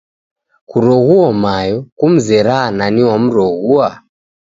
Kuroghuo Mayo. Kumzeraa nani wamroghua?